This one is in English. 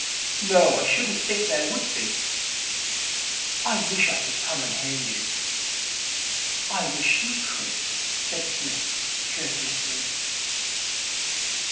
'No, I shouldn't think there would be. I wish I could come and hear you.' 'I wish you could,' said Psmith courteously.